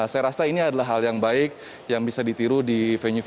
saya rasa ini adalah hal yang baik yang bisa ditiru di venue venu